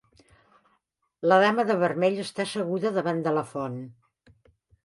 La dama de vermell està asseguda davant de la font.